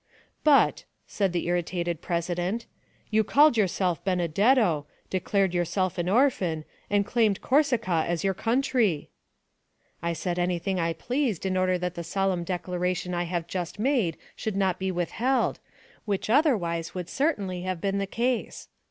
"But," said the irritated president, "you called yourself Benedetto, declared yourself an orphan, and claimed Corsica as your country." "I said anything I pleased, in order that the solemn declaration I have just made should not be withheld, which otherwise would certainly have been the case.